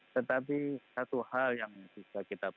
tetapi satu hal yang bisa kita